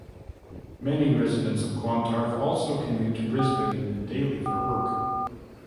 Many residents of Clontarf also commute to Brisbane daily for work.